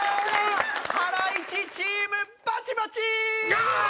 ハライチチームバチバチ！